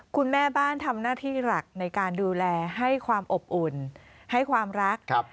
คุณแม่บ้านทำหน้าที่หลักในการดูแลให้ความอบอุ่นให้ความรักครับ